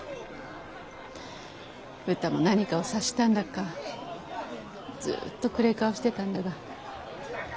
うたも何かを察したんだかずうっと暗え顔してたんだが。